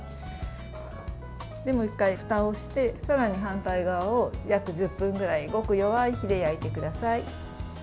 もう１回ふたをしてさらに反対側を約１０分ぐらいごく弱い火で焼いてください。